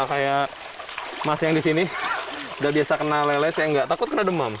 kayak mas yang di sini sudah biasa kena lele saya nggak takut kena demam